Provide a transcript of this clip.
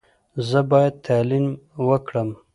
زه باید تعلیم وکړم.